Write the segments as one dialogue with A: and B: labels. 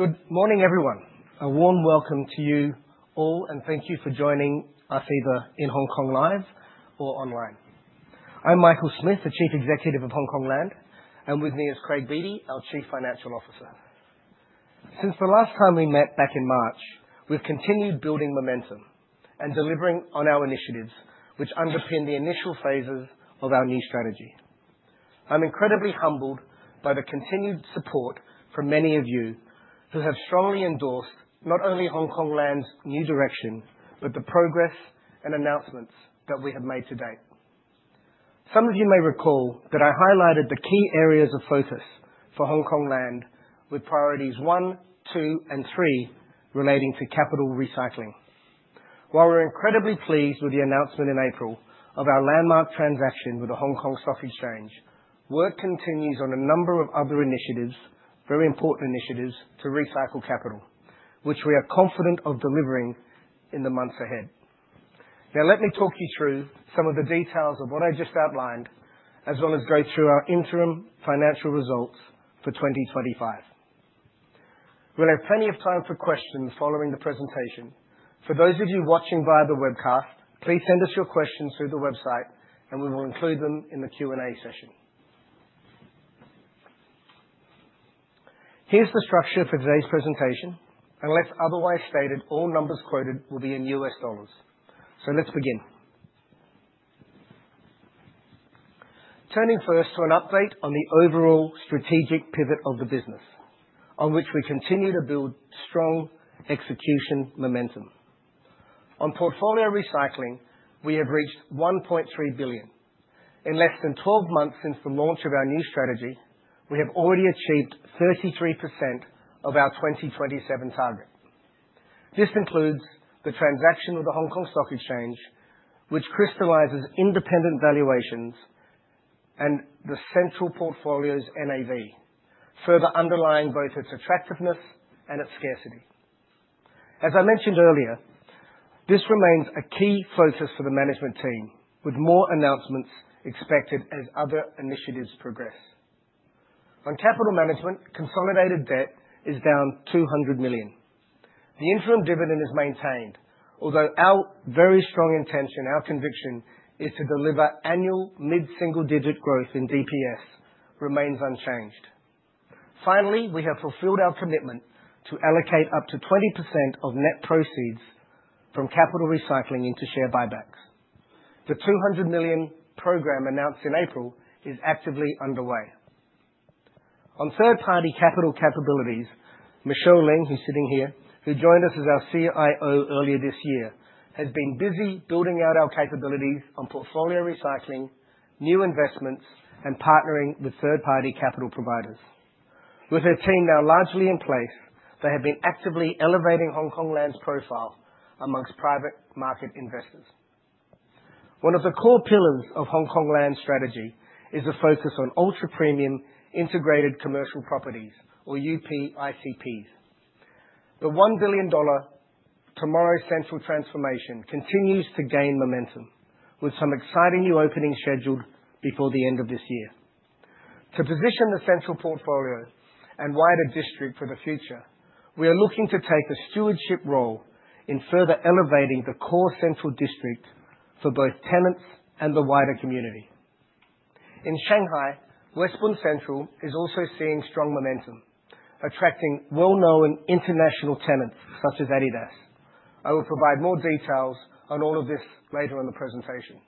A: Good morning, everyone. A warm welcome to you all, and thank you for joining us either in Hong Kong live or online. I'm Michael Smith, the chief executive of Hongkong Land, and with me is Craig Beattie, our chief financial officer. Since the last time we met back in March, we've continued building momentum and delivering on our initiatives, which underpin the initial phases of our new strategy. I'm incredibly humbled by the continued support from many of you who have strongly endorsed not only Hongkong Land's new direction, but the progress and announcements that we have made to date. Some of you may recall that I highlighted the key areas of focus for Hongkong Land with priorities one, two, and three relating to capital recycling. While we're incredibly pleased with the announcement in April of our landmark transaction with the Hong Kong Stock Exchange, work continues on a number of other initiatives, very important initiatives, to recycle capital, which we are confident of delivering in the months ahead. Let me talk you through some of the details of what I just outlined, as well as go through our interim financial results for 2025. We'll have plenty of time for questions following the presentation. For those of you watching via the webcast, please send us your questions through the website and we will include them in the Q&A session. Here's the structure for today's presentation. Unless otherwise stated, all numbers quoted will be in US dollars. Let's begin. Turning first to an update on the overall strategic pivot of the business on which we continue to build strong execution momentum. On portfolio recycling, we have reached $1.3 billion. In less than 12 months since the launch of our new strategy, we have already achieved 33% of our 2027 target. This includes the transaction with the Hong Kong Stock Exchange, which crystallizes independent valuations and the central portfolio's NAV, further underlying both its attractiveness and its scarcity. As I mentioned earlier, this remains a key focus for the management team, with more announcements expected as other initiatives progress. On capital management, consolidated debt is down $200 million. The interim dividend is maintained, although our very strong intention, our conviction, is to deliver annual mid-single digit growth in DPS remains unchanged. Finally, we have fulfilled our commitment to allocate up to 20% of net proceeds from capital recycling into share buybacks. The $200 million program announced in April is actively underway. On third-party capital capabilities, Michelle Ling, who's sitting here, who joined us as our CIO earlier this year, has been busy building out our capabilities on portfolio recycling, new investments, and partnering with third-party capital providers. One of the core pillars of Hongkong Land's strategy is the focus on ultra-premium integrated commercial properties, or UPICPs. The $1 billion Tomorrow's CENTRAL transformation continues to gain momentum, with some exciting new openings scheduled before the end of this year. To position the central portfolio and wider district for the future, we are looking to take a stewardship role in further elevating the core central district for both tenants and the wider community. In Shanghai, West Bund Central is also seeing strong momentum, attracting well-known international tenants such as adidas. I will provide more details on all of this later in the presentation.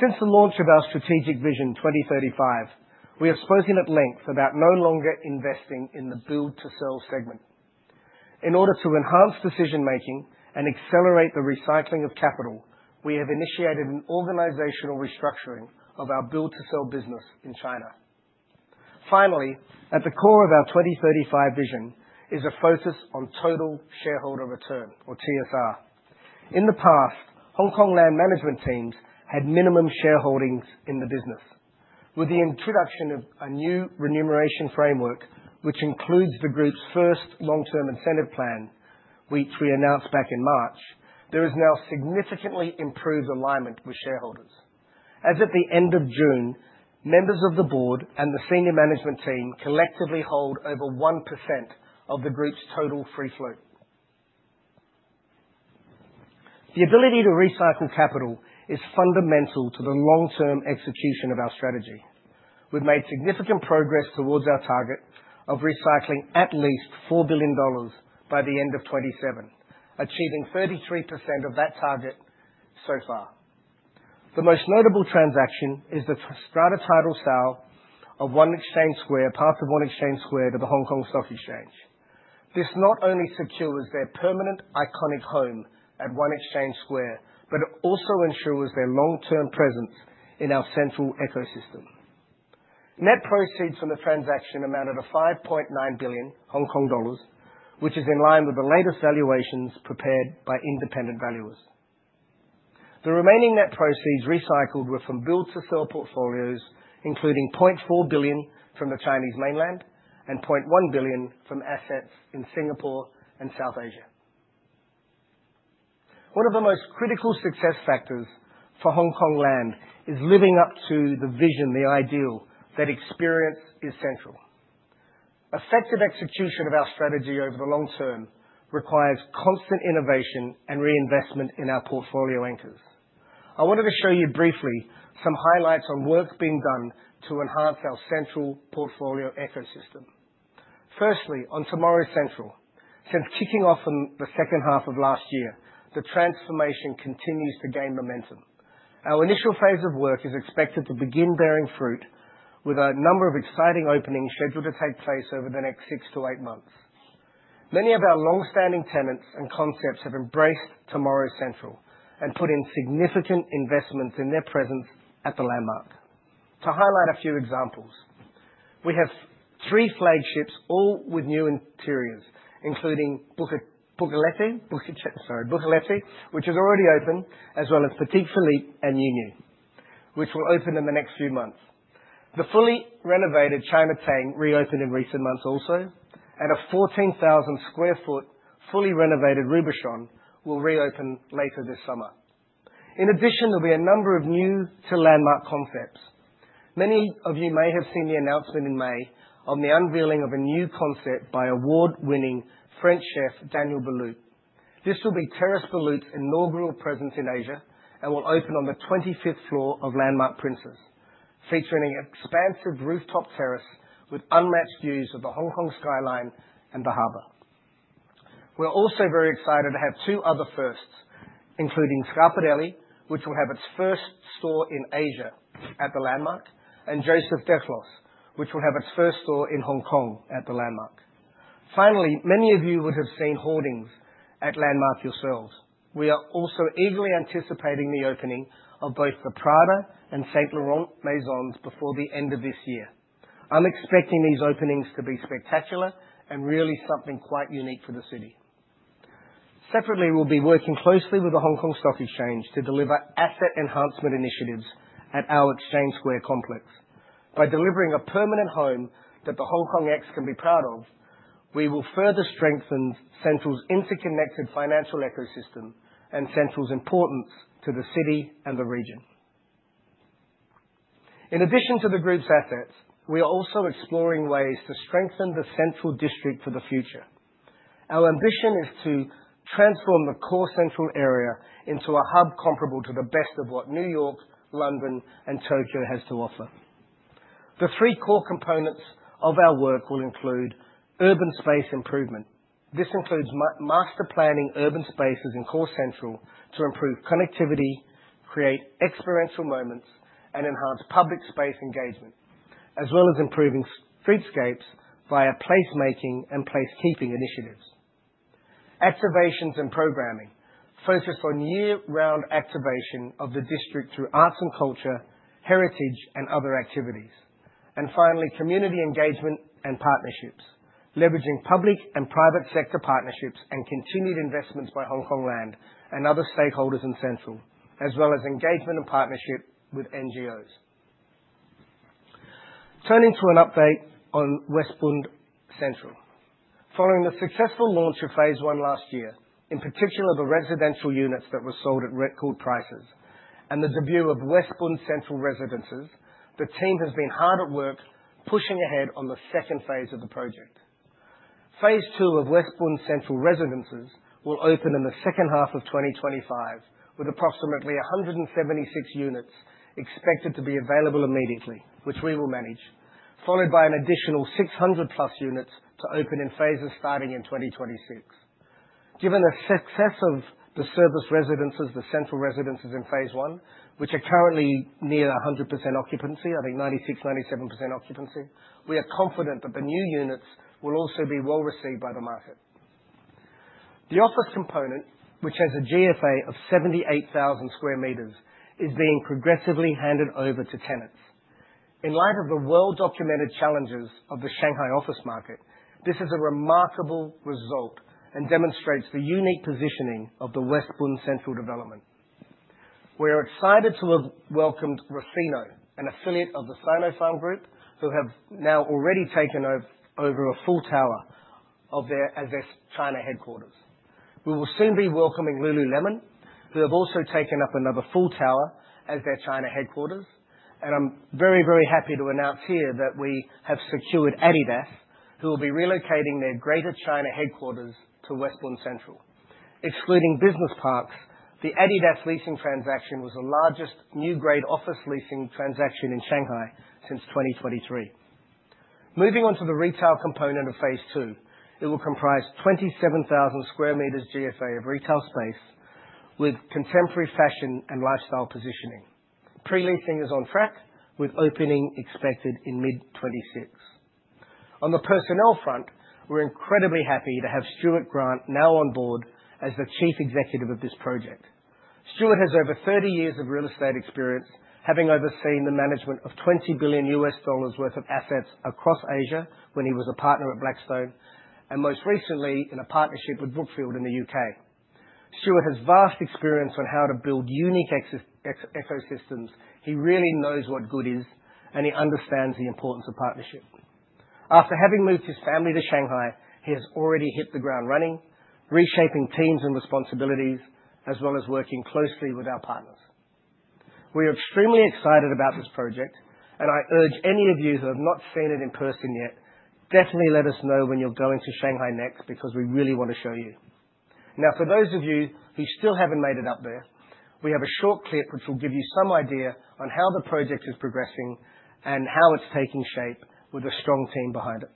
A: Since the launch of our Strategic Vision 2035, we have spoken at length about no longer investing in the build-to-sell segment. In order to enhance decision-making and accelerate the recycling of capital, we have initiated an organizational restructuring of our build-to-sell business in China. Finally, at the core of our 2035 vision is a focus on total shareholder return, or TSR. In the past, Hongkong Land management teams had minimum shareholdings in the business. With the introduction of a new remuneration framework, which includes the group's first long-term incentive plan, which we announced back in March, there is now significantly improved alignment with shareholders. As at the end of June, members of the board and the senior management team collectively hold over 1% of the group's total free float. The ability to recycle capital is fundamental to the long-term execution of our strategy. We've made significant progress towards our target of recycling at least $4 billion by the end of 2027, achieving 33% of that target so far. The most notable transaction is the strata title sale of One Exchange Square, part of One Exchange Square to the Hong Kong Stock Exchange. This not only secures their permanent iconic home at One Exchange Square, but it also ensures their long-term presence in our Central ecosystem. Net proceeds from the transaction amounted to 5.9 billion Hong Kong dollars, which is in line with the latest valuations prepared by independent valuers. The remaining net proceeds recycled were from build-to-sell portfolios, including $4 billion from the Chinese Mainland and $1 billion from assets in Singapore and South Asia. One of the most critical success factors for Hongkong Land is living up to the vision, the ideal that experience is Central. Effective execution of our strategy over the long term requires constant innovation and reinvestment in our portfolio anchors. I wanted to show you briefly some highlights on work being done to enhance our Central portfolio ecosystem. Firstly, on Tomorrow's CENTRAL, since kicking off in the second half of last year, the transformation continues to gain momentum. Our initial phase of work is expected to begin bearing fruit with a number of exciting openings scheduled to take place over the next six to eight months. Many of our long-standing tenants and concepts have embraced Tomorrow's CENTRAL and put in significant investments in their presence at The Landmark. To highlight a few examples, we have three flagships, all with new interiors, including Buccellati, which is already open, as well as Patek Philippe and Miu Miu, which will open in the next few months. The fully renovated China Tang reopened in recent months also, and a 14,000 sq ft fully renovated Robuchon will reopen later this summer. In addition, there'll be a number of new to Landmark concepts. Many of you may have seen the announcement in May on the unveiling of a new concept by award-winning French chef Daniel Boulud. This will be Terrace Boulud's inaugural presence in Asia and will open on the 25th floor of Landmark Prince's, featuring an expansive rooftop terrace with unmatched views of the Hong Kong skyline and the harbor. We're also very excited to have two other firsts, including Schiaparelli, which will have its first store in Asia at The Landmark, and Joseph Duclos, which will have its first store in Hong Kong at The Landmark. Many of you would have seen hoardings at The Landmark yourselves. We are also eagerly anticipating the opening of both the Prada and Saint Laurent Maisons before the end of this year. I'm expecting these openings to be spectacular and really something quite unique for the city. Separately, we'll be working closely with the Hong Kong Stock Exchange to deliver asset enhancement initiatives at our Exchange Square complex. By delivering a permanent home that the Hong Kong Ex can be proud of, we will further strengthen Central's interconnected financial ecosystem and Central's importance to the city and the region. In addition to the group's assets, we are also exploring ways to strengthen the Central District for the future. Our ambition is to transform the core Central area into a hub comparable to the best of what New York, London, and Tokyo has to offer. The three core components of our work will include urban space improvement. This includes master planning urban spaces in core Central to improve connectivity, create experiential moments, and enhance public space engagement, as well as improving streetscapes via place-making and place-keeping initiatives. Activations and programming focus on year-round activation of the district through arts and culture, heritage, and other activities. Community engagement and partnerships, leveraging public and private sector partnerships and continued investments by Hongkong Land and other stakeholders in Central, as well as engagement and partnership with NGOs. Turning to an update on West Bund Central. Following the successful launch of phase 1 last year, in particular the residential units that were sold at record prices, and the debut of West Bund Central Residences, the team has been hard at work pushing ahead on the phase 2 of the project. Phase 2 of West Bund Central Residences will open in the second half of 2025, with approximately 176 units expected to be available immediately, which we will manage. Followed by an additional 600+ units to open in phases starting in 2026. Given the success of the service residences, the central residences in phase 1, which are currently near 100% occupancy, I think 96%, 97% occupancy, we are confident that the new units will also be well received by the market. The office component, which has a GFA of 78,000 sq m, is being progressively handed over to tenants. In light of the well-documented challenges of the Shanghai office market, this is a remarkable result and demonstrates the unique positioning of the West Bund Central development. We are excited to have welcomed Ruffino, an affiliate of the Sinopharm Group, who have now already taken over a full tower as their China headquarters. We will soon be welcoming lululemon, who have also taken up another full tower as their China headquarters. I'm very, very happy to announce here that we have secured adidas, who will be relocating their Greater China headquarters to West Bund Central. Excluding business parks, the adidas leasing transaction was the largest new Grade A office leasing transaction in Shanghai since 2023. Moving on to the retail component of phase 2. It will comprise 27,000 sq m GFA of retail space with contemporary fashion and lifestyle positioning. Pre-leasing is on track, with opening expected in mid-2026. On the personnel front, we are incredibly happy to have Stuart Grant now on board as the Chief Executive of this project. Stuart has over 30 years of real estate experience, having overseen the management of $20 billion worth of assets across Asia when he was a partner at Blackstone, and most recently in a partnership with Brookfield in the U.K. Stuart has vast experience on how to build unique ecosystems. He really knows what good is, and he understands the importance of partnership. After having moved his family to Shanghai, he has already hit the ground running, reshaping teams and responsibilities, as well as working closely with our partners. We are extremely excited about this project. I urge any of you who have not seen it in person yet, definitely let us know when you are going to Shanghai next, because we really want to show you. For those of you who still haven't made it out there, we have a short clip which will give you some idea on how the project is progressing and how it is taking shape with a strong team behind it.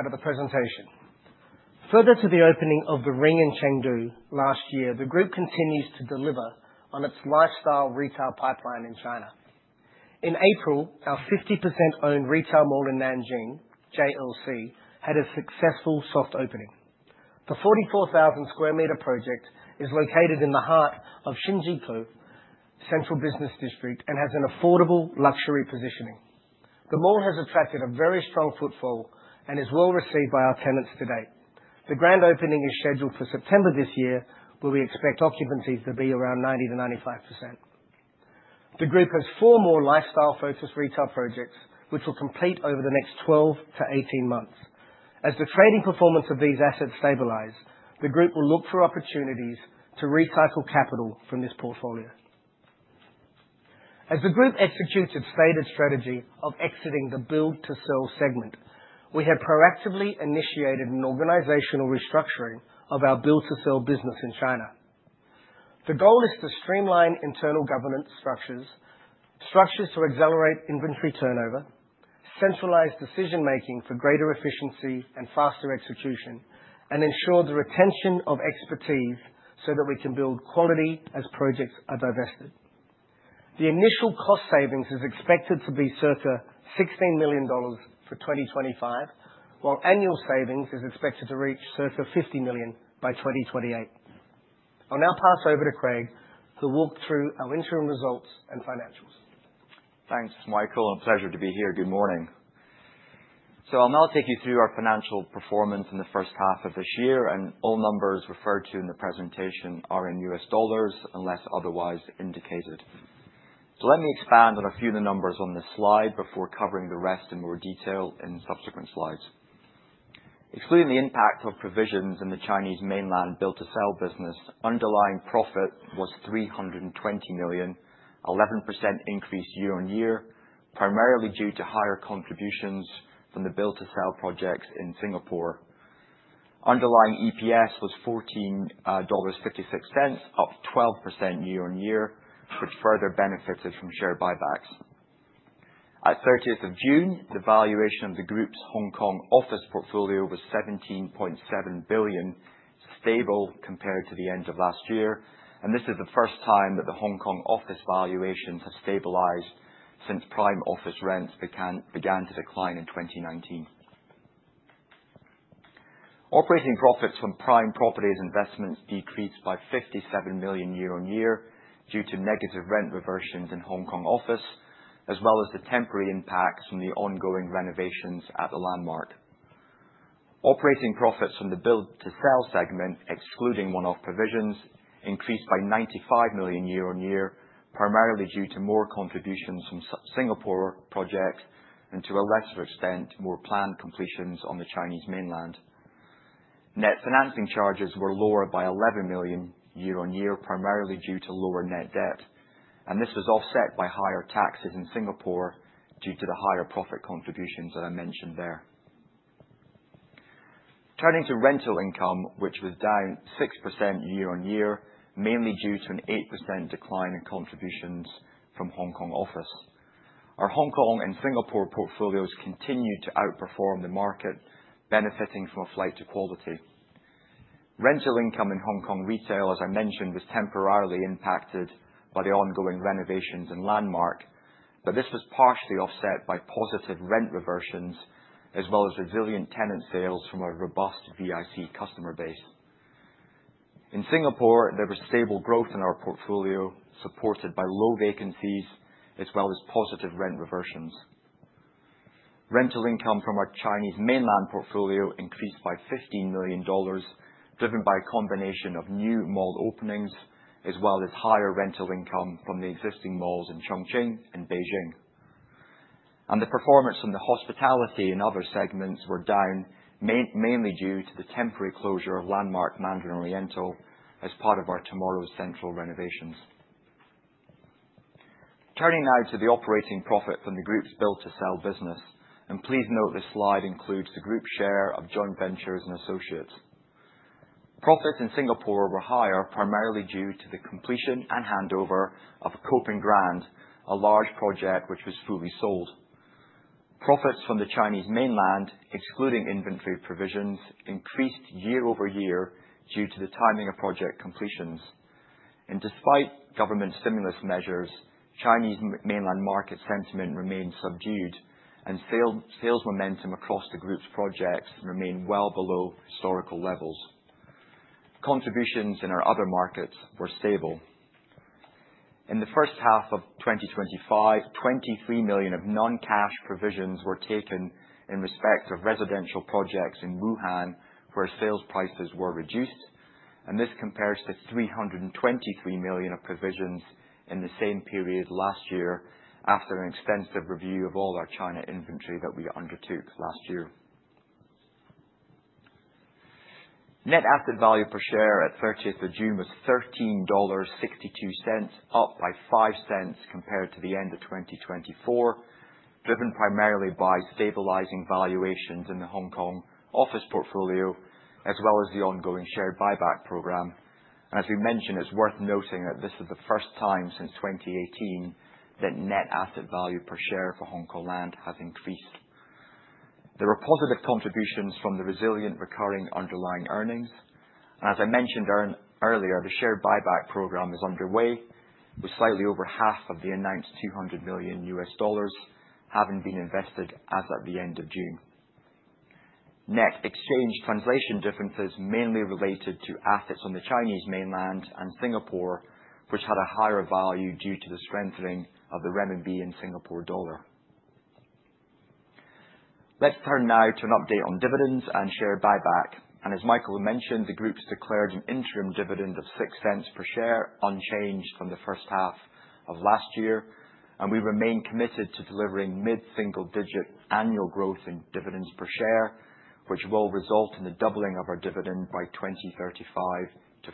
A: Getting back now to the presentation. Further to the opening of the Ring in Chengdu last year, the group continues to deliver on its lifestyle retail pipeline in China. In April, our 50%-owned retail mall in Nanjing, JLC, had a successful soft opening. The 44,000 sq m project is located in the heart of Xinjiekou Central Business District and has an affordable luxury positioning. The mall has attracted a very strong footfall and is well received by our tenants to date. The grand opening is scheduled for September this year, where we expect occupancy to be around 90%-95%. The group has four more lifestyle-focused retail projects, which will complete over the next 12-18 months. As the trading performance of these assets stabilize, the group will look for opportunities to recycle capital from this portfolio. As the group executes its stated strategy of exiting the build-to-sell segment, we have proactively initiated an organizational restructuring of our build-to-sell business in China. The goal is to streamline internal governance structures to accelerate inventory turnover, centralize decision making for greater efficiency and faster execution, and ensure the retention of expertise so that we can build quality as projects are divested. The initial cost savings is expected to be circa $16 million for 2025, while annual savings is expected to reach circa $50 million by 2028. I will now pass over to Craig to walk through our interim results and financials.
B: Thanks, Michael, pleasure to be here. Good morning. I'll now take you through our financial performance in the first half of this year, all numbers referred to in the presentation are in U.S. dollars unless otherwise indicated. Let me expand on a few of the numbers on this slide before covering the rest in more detail in subsequent slides. Excluding the impact of provisions in the Chinese mainland build-to-sell business, underlying profit was $320 million, an 11% increase year-on-year, primarily due to higher contributions from the build-to-sell projects in Singapore. Underlying EPS was $14.56, up 12% year-on-year, which further benefited from share buybacks. At 30th of June, the valuation of the group's Hong Kong office portfolio was $17.7 billion, stable compared to the end of last year. This is the first time that the Hong Kong office valuations have stabilized since prime office rents began to decline in 2019. Operating profits from prime properties investments decreased by $57 million year-on-year due to negative rent reversions in Hong Kong office, as well as the temporary impacts from the ongoing renovations at the Landmark. Operating profits from the build-to-sell segment, excluding one-off provisions, increased by $95 million year-on-year, primarily due to more contributions from Singapore projects, to a lesser extent, more planned completions on the Chinese mainland. Net financing charges were lower by $11 million year-on-year, primarily due to lower net debt, this was offset by higher taxes in Singapore due to the higher profit contributions that I mentioned there. Turning to rental income, which was down 6% year-on-year, mainly due to an 8% decline in contributions from Hong Kong office. Our Hong Kong and Singapore portfolios continued to outperform the market, benefiting from a flight to quality. Rental income in Hong Kong retail, as I mentioned, was temporarily impacted by the ongoing renovations in Landmark. This was partially offset by positive rent reversions as well as resilient tenant sales from our robust VIC customer base. In Singapore, there was stable growth in our portfolio, supported by low vacancies as well as positive rent reversions. Rental income from our Chinese mainland portfolio increased by $15 million, driven by a combination of new mall openings as well as higher rental income from the existing malls in Chongqing and Beijing. The performance from the hospitality and other segments were down, mainly due to the temporary closure of Landmark Mandarin Oriental as part of our Tomorrow's Central renovations. Turning now to the operating profit from the group's build-to-sell business, please note, this slide includes the group share of joint ventures and associates. Profits in Singapore were higher, primarily due to the completion and handover of Copen Grand, a large project which was fully sold. Profits from the Chinese mainland, excluding inventory provisions, increased year-over-year due to the timing of project completions. Despite government stimulus measures, Chinese mainland market sentiment remained subdued and sales momentum across the group's projects remain well below historical levels. Contributions in our other markets were stable. In the first half of 2025, $23 million of non-cash provisions were taken in respect of residential projects in Wuhan, where sales prices were reduced, this compares to $323 million of provisions in the same period last year after an extensive review of all our China inventory that we undertook last year. Net asset value per share at 30th of June was $13.62, up by $0.05 compared to the end of 2024, driven primarily by stabilizing valuations in the Hong Kong office portfolio as well as the ongoing share buyback program. As we mentioned, it's worth noting that this is the first time since 2018 that net asset value per share for Hongkong Land has increased. There were positive contributions from the resilient recurring underlying earnings. As I mentioned earlier, the share buyback program is underway with slightly over half of the announced $200 million having been invested as at the end of June. Net exchange translation differences mainly related to assets on the Chinese mainland and Singapore, which had a higher value due to the strengthening of the CNY and SGD. Let's turn now to an update on dividends and share buyback. As Michael mentioned, the Group declared an interim dividend of $0.06 per share, unchanged from the first half of last year. We remain committed to delivering mid-single digit annual growth in dividends per share, which will result in the doubling of our dividend by 2035 to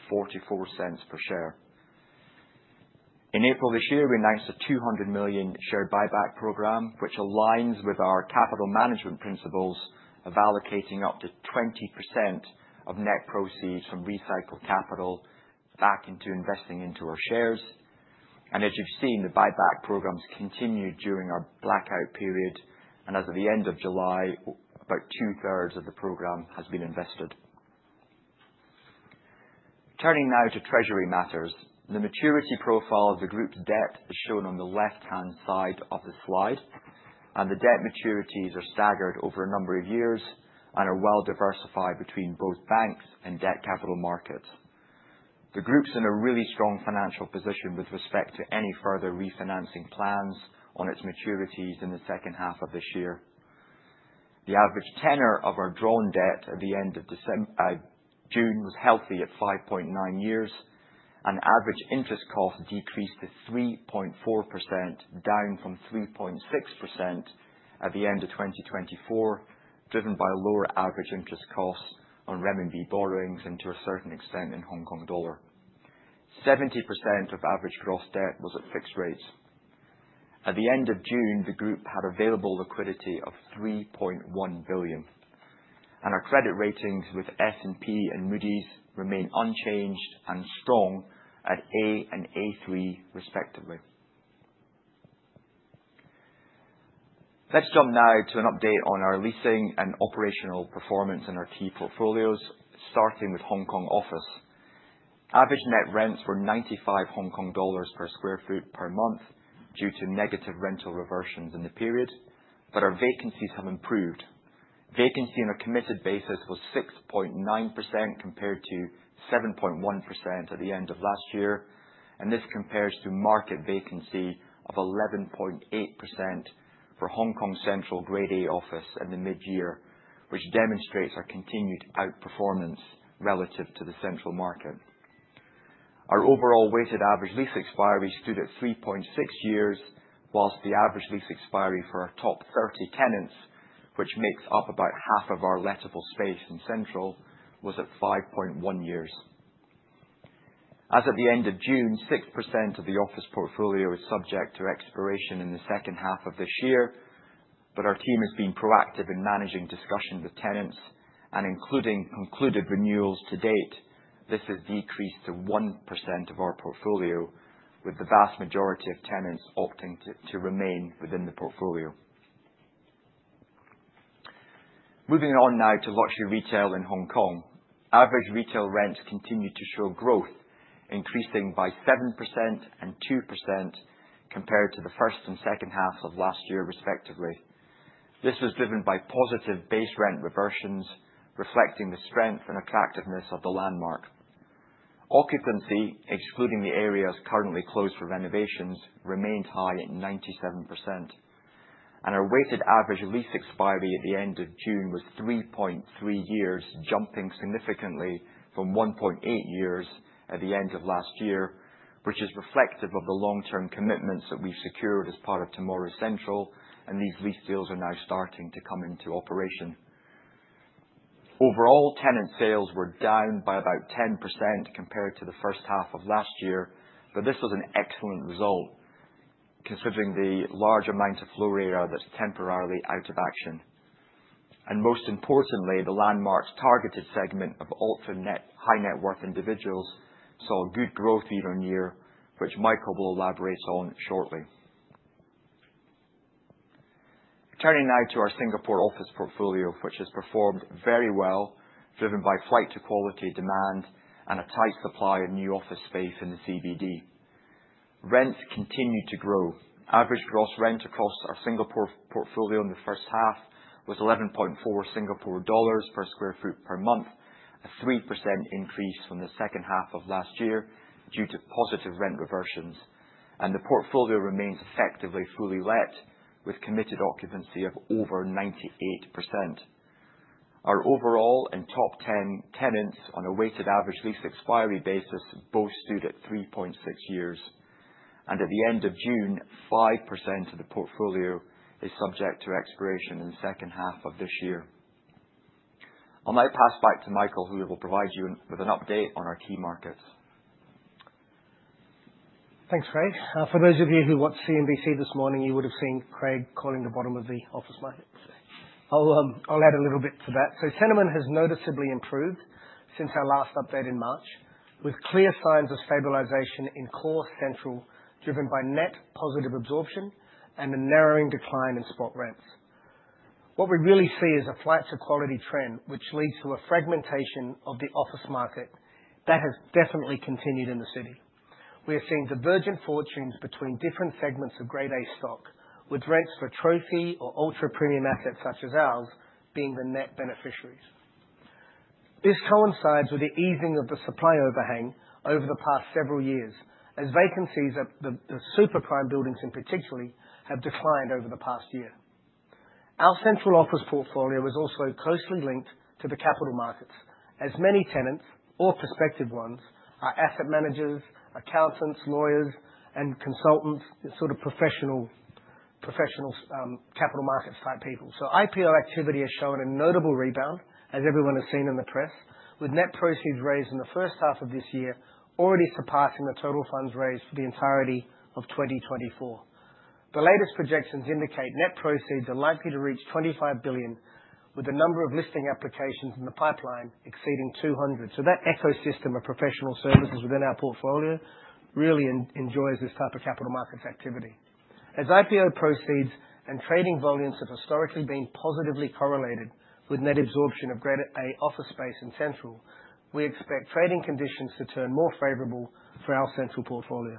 B: $0.44 per share. In April this year, we announced a $200 million share buyback program, which aligns with our capital management principles of allocating up to 20% of net proceeds from recycled capital back into investing into our shares. As you've seen, the buyback programs continued during our blackout period, and as of the end of July, about two-thirds of the program has been invested. Turning now to treasury matters. The maturity profile of the Group's debt is shown on the left-hand side of the slide, the debt maturities are staggered over a number of years and are well diversified between both banks and debt capital markets. The Group's in a really strong financial position with respect to any further refinancing plans on its maturities in the second half of this year. The average tenor of our drawn debt at the end of June was healthy at 5.9 years, average interest cost decreased to 3.4%, down from 3.6% at the end of 2024, driven by lower average interest costs on CNY borrowings and to a certain extent, in HKD. 70% of average gross debt was at fixed rates. At the end of June, the Group had available liquidity of $3.1 billion, our credit ratings with S&P and Moody's remain unchanged and strong at A and A3 respectively. Let's jump now to an update on our leasing and operational performance in our key portfolios, starting with Hong Kong office. Average net rents were HK$95 per square foot per month due to negative rental reversions in the period, our vacancies have improved. Vacancy on a committed basis was 6.9% compared to 7.1% at the end of last year. This compares to market vacancy of 11.8% for Hong Kong Central Grade A office in the mid-year, which demonstrates our continued outperformance relative to the central market. Our overall weighted average lease expiry stood at 3.6 years, whilst the average lease expiry for our top 30 tenants, which makes up about half of our lettable space in Central, was at 5.1 years. As of the end of June, 6% of the office portfolio is subject to expiration in the second half of this year, but our team has been proactive in managing discussions with tenants and including concluded renewals to date. This has decreased to 1% of our portfolio, with the vast majority of tenants opting to remain within the portfolio. Moving on now to luxury retail in Hong Kong. Average retail rents continue to show growth, increasing by 7% and 2% compared to the first and second half of last year respectively. This was driven by positive base rent reversions, reflecting the strength and attractiveness of The Landmark. Occupancy, excluding the areas currently closed for renovations, remains high at 97%. Our weighted average lease expiry at the end of June was 3.3 years, jumping significantly from 1.8 years at the end of last year, which is reflective of the long-term commitments that we've secured as part of Tomorrow's CENTRAL. These lease deals are now starting to come into operation. Overall, tenant sales were down by about 10% compared to the first half of last year, but this was an excellent result considering the large amount of floor area that's temporarily out of action. Most importantly, The Landmark's targeted segment of ultra high-net-worth individuals saw good growth year on year, which Michael will elaborate on shortly. Turning now to our Singapore office portfolio, which has performed very well, driven by flight to quality demand and a tight supply of new office space in the CBD. Rents continued to grow. Average gross rent across our Singapore portfolio in the first half was 11.4 Singapore dollars per square foot per month, a 3% increase from the second half of last year due to positive rent reversions. The portfolio remains effectively fully let with committed occupancy of over 98%. Our overall and top 10 tenants on a weighted average lease expiry basis both stood at 3.6 years. At the end of June, 5% of the portfolio is subject to expiration in the second half of this year. I'll now pass back to Michael, who will provide you with an update on our key markets.
A: Thanks, Craig. For those of you who watched CNBC this morning, you would have seen Craig calling the bottom of the office market. I'll add a little bit to that. Sentiment has noticeably improved since our last update in March, with clear signs of stabilization in core Central, driven by net positive absorption and a narrowing decline in spot rents. What we really see is a flight to quality trend, which leads to a fragmentation of the office market. That has definitely continued in the city. We are seeing divergent fortunes between different segments of Grade A stock, with rents for trophy or ultra-premium assets such as ours being the net beneficiaries. This coincides with the easing of the supply overhang over the past several years, as vacancies at the super prime buildings in particular have declined over the past year. Our Central office portfolio is also closely linked to the capital markets, as many tenants or prospective ones are asset managers, accountants, lawyers, and consultants, the sort of professional capital markets type people. IPO activity has shown a notable rebound, as everyone has seen in the press, with net proceeds raised in the first half of this year already surpassing the total funds raised for the entirety of 2024. The latest projections indicate net proceeds are likely to reach $25 billion, with the number of listing applications in the pipeline exceeding 200. That ecosystem of professional services within our portfolio really enjoys this type of capital markets activity. As IPO proceeds and trading volumes have historically been positively correlated with net absorption of Grade A office space in Central, we expect trading conditions to turn more favorable for our Central portfolio.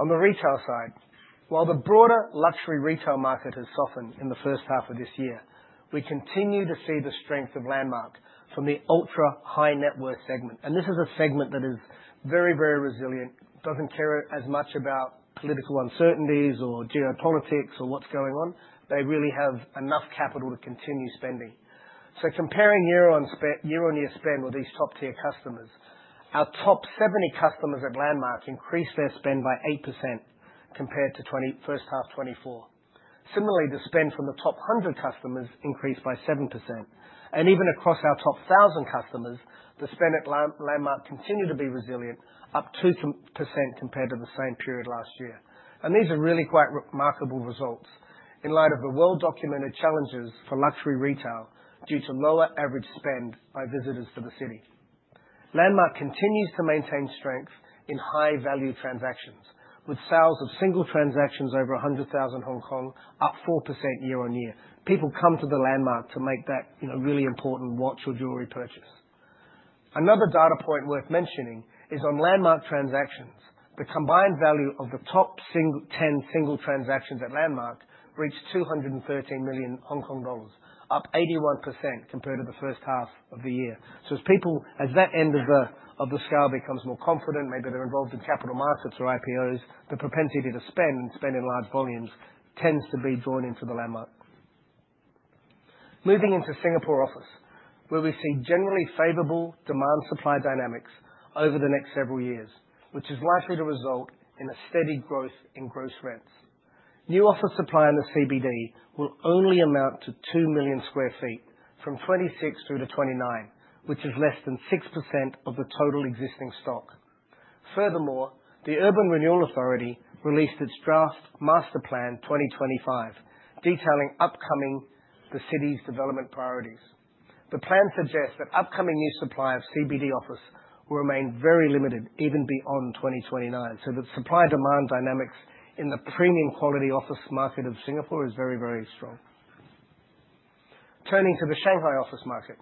A: On the retail side, while the broader luxury retail market has softened in the first half of this year, we continue to see the strength of Landmark from the ultra-high-net-worth segment, and this is a segment that is very resilient, doesn't care as much about political uncertainties or geopolitics or what's going on. They really have enough capital to continue spending. Comparing year-on-year spend with these top-tier customers, our top 70 customers at Landmark increased their spend by 8% compared to first half 2024. Similarly, the spend from the top 100 customers increased by 7%. Even across our top 1,000 customers, the spend at Landmark continued to be resilient, up 2% compared to the same period last year. These are really quite remarkable results in light of the well-documented challenges for luxury retail due to lower average spend by visitors to the city. Landmark continues to maintain strength in high-value transactions, with sales of single transactions over 100,000 Hong Kong up 4% year-on-year. People come to the Landmark to make that really important watch or jewelry purchase. Another data point worth mentioning is on Landmark transactions. The combined value of the top 10 single transactions at Landmark reached 213 million Hong Kong dollars, up 81% compared to the first half of the year. As that end of the scale becomes more confident, maybe they're involved in capital markets or IPOs, the propensity to spend and spend in large volumes tends to be drawn into the Landmark. Moving into Singapore office, where we see generally favorable demand-supply dynamics over the next several years, which is likely to result in a steady growth in gross rents. New office supply in the CBD will only amount to 2 million square feet from 2026 through to 2029, which is less than 6% of the total existing stock. Furthermore, the Urban Redevelopment Authority released its draft Master Plan 2025, detailing upcoming the city's development priorities. The plan suggests that upcoming new supply of CBD office will remain very limited even beyond 2029. The supply-demand dynamics in the premium quality office market of Singapore is very strong. Turning to the Shanghai office market,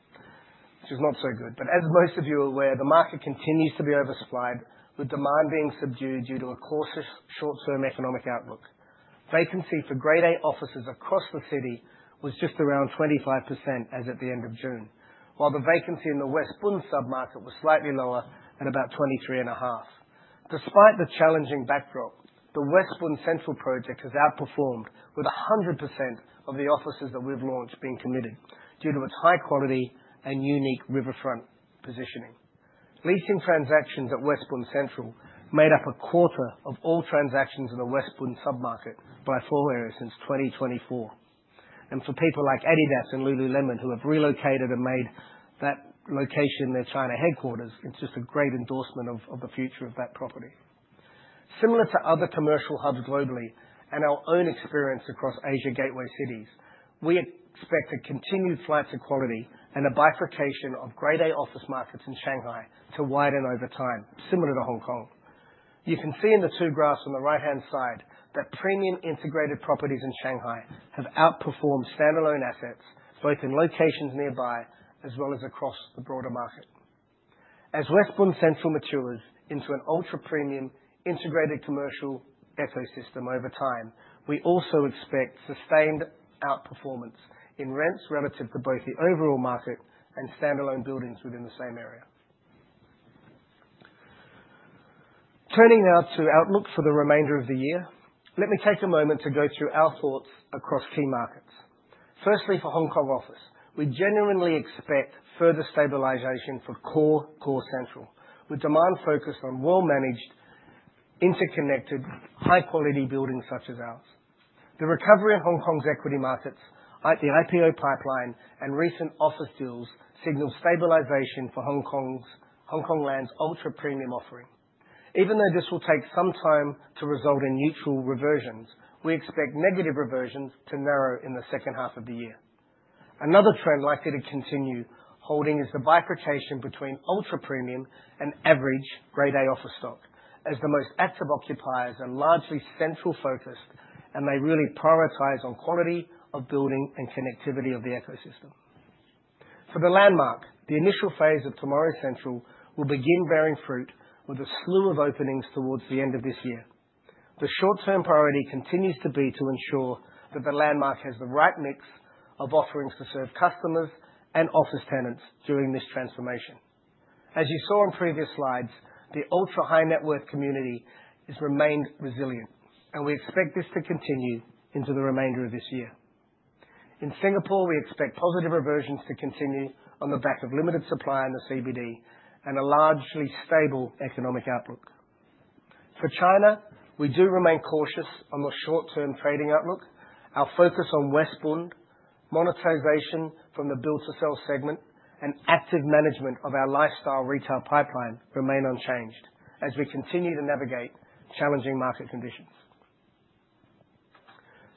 A: which is not so good. As most of you are aware, the market continues to be oversupplied with demand being subdued due to a cautious short-term economic outlook. Vacancy for Grade A offices across the city was just around 25% as at the end of June, while the vacancy in the West Bund sub-market was slightly lower at about 23.5. Despite the challenging backdrop, the West Bund Central project has outperformed, with 100% of the offices that we've launched being committed due to its high quality and unique riverfront positioning. Leasing transactions at West Bund Central made up a quarter of all transactions in the West Bund sub-market by floor area since 2024. For people like adidas and lululemon, who have relocated and made that location their China headquarters, it's just a great endorsement of the future of that property. Similar to other commercial hubs globally and our own experience across Asia gateway cities, we expect a continued flight to quality and a bifurcation of Grade A office markets in Shanghai to widen over time, similar to Hong Kong. You can see in the two graphs on the right-hand side that premium integrated properties in Shanghai have outperformed standalone assets, both in locations nearby as well as across the broader market. As West Bund Central matures into an ultra-premium integrated commercial ecosystem over time, we also expect sustained outperformance in rents relative to both the overall market and standalone buildings within the same area. Turning now to outlook for the remainder of the year. Let me take a moment to go through our thoughts across key markets. Firstly, for Hong Kong office, we genuinely expect further stabilization for core Central, with demand focused on well-managed, interconnected, high-quality buildings such as ours. The recovery of Hong Kong's equity markets, the IPO pipeline, and recent office deals signal stabilization for Hongkong Land's ultra-premium offering. Even though this will take some time to result in neutral reversions, we expect negative reversions to narrow in the second half of the year. Another trend likely to continue holding is the bifurcation between ultra-premium and average Grade A office stock, as the most active occupiers are largely central-focused, and they really prioritize on quality of building and connectivity of the ecosystem. For the Landmark, the initial phase of Tomorrow's CENTRAL will begin bearing fruit with a slew of openings towards the end of this year. The short-term priority continues to be to ensure that the Landmark has the right mix of offerings to serve customers and office tenants during this transformation. As you saw on previous slides, the ultra-high net worth community has remained resilient, and we expect this to continue into the remainder of this year. In Singapore, we expect positive reversions to continue on the back of limited supply in the CBD and a largely stable economic outlook. For China, we do remain cautious on the short-term trading outlook. Our focus on West Bund, monetization from the build-to-sell segment, and active management of our lifestyle retail pipeline remain unchanged as we continue to navigate challenging market conditions.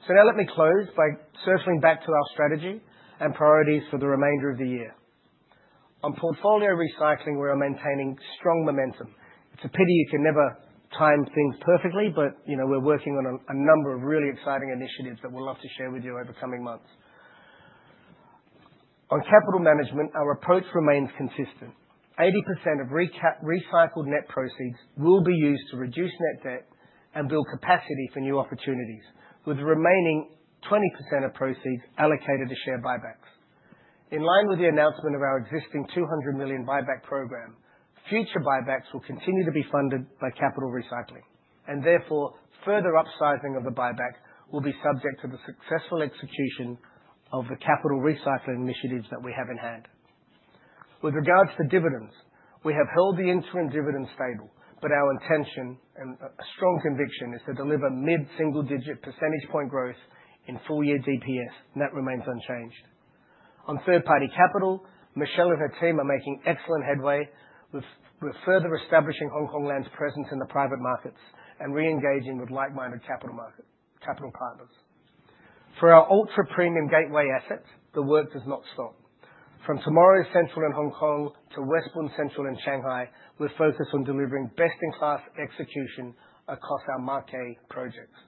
A: Now let me close by circling back to our strategy and priorities for the remainder of the year. On portfolio recycling, we are maintaining strong momentum. It's a pity you can never time things perfectly. We're working on a number of really exciting initiatives that we'll love to share with you over coming months. On capital management, our approach remains consistent. 80% of recycled net proceeds will be used to reduce net debt and build capacity for new opportunities, with the remaining 20% of proceeds allocated to share buybacks. In line with the announcement of our existing $200 million buyback program, future buybacks will continue to be funded by capital recycling. Therefore, further upsizing of the buyback will be subject to the successful execution of the capital recycling initiatives that we have in hand. With regards to dividends, we have held the interim dividends stable. Our intention and a strong conviction is to deliver mid-single-digit percentage point growth in full-year DPS. That remains unchanged. On third-party capital, Michelle and her team are making excellent headway with further establishing Hongkong Land's presence in the private markets and re-engaging with like-minded capital partners. For our ultra-premium gateway assets, the work does not stop. From Tomorrow's CENTRAL in Hong Kong to West Bund Central in Shanghai, we're focused on delivering best-in-class execution across our marquee projects.